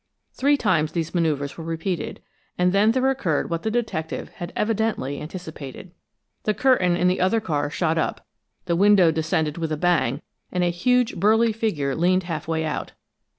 Three times these maneuvers were repeated, and then there occurred what the detective had evidently anticipated. The curtain in the other car shot up; the window descended with a bang and a huge, burly figure leaned half way out.